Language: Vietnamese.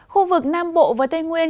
khu vực nam bộ và tây nguyên